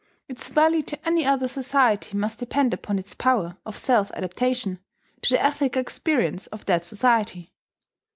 Its value to any other society must depend upon its power of self adaptation to the ethical experience of that society.